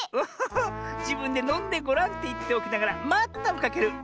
じぶんでのんでごらんっていっておきながらまったをかける。